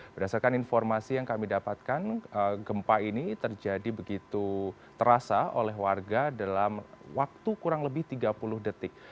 berdasarkan informasi yang kami dapatkan gempa ini terjadi begitu terasa oleh warga dalam waktu kurang lebih tiga puluh detik